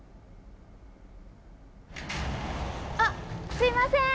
あっすいません！